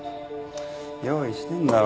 用意してんだろ。